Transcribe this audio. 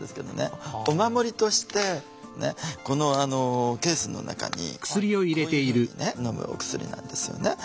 お守りとしてこのケースの中にこういうふうにねのむお薬なんですよね。